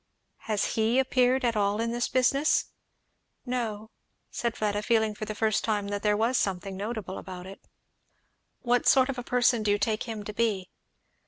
"Has he appeared at all in this business?" "No," said Fleda, feeling for the first time that there was something notable about it. "What sort of person do you take him to be?"